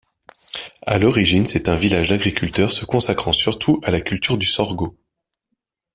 À l'origine, c'est un village d'agriculteurs se consacrant surtout à la culture du sorgho.